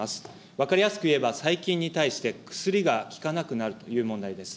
分かりやすく言えば、細菌に対して薬が効かなくなるという問題です。